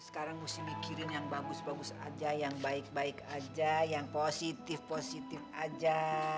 sekarang mesti mikirin yang bagus bagus aja yang baik baik aja yang positif positif aja